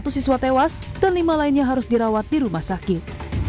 satu siswa tewas dan lima lainnya harus dirawat di rumah sakit